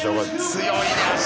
強いね足。